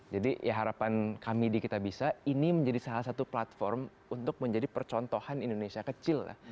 jadi harapan kami di kitabisa ini menjadi salah satu platform untuk menjadi percontohan indonesia kecil